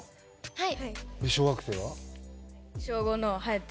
はい。